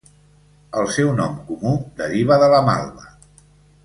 El seu nom comú deriva de la malva.